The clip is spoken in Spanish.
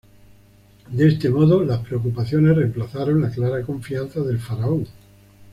De este modo, las preocupaciones reemplazaron la clara confianza del faraón.